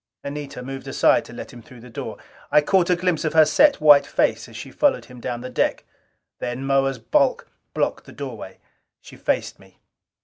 Anita moved aside to let him through the door. I caught a glimpse of her set white face as she followed him down the deck. Then Moa's bulk blocked the doorway. She faced me.